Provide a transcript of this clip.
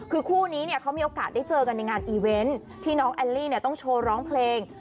คือคู่นี้เนี่ยเขามีโอกาสได้เจอกันในงานอีเวนต์ที่น้องแอลลี่เนี่ยต้องโชว์ร้องเพลง